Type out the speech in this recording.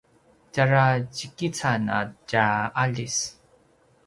tjara djikican a tja aljis